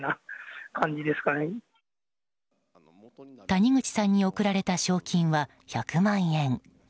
谷口さんに贈られた賞金は１００万円。